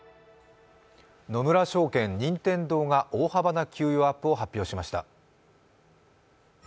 野村證券、任天堂が大幅な給与アップを発表しました。